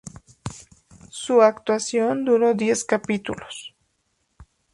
Su actuación duró diez capítulos.